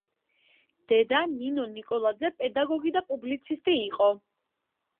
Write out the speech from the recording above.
დედა, ნინო ნიკოლაძე პედაგოგი და პუბლიცისტი იყო.